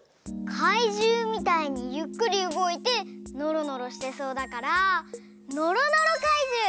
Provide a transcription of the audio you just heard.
かいじゅうみたいにゆっくりうごいてのろのろしてそうだからのろのろかいじゅう！